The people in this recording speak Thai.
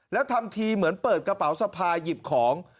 แล้วทำทีเหมือนเปิดกระเป๋าสะพายหยิบของ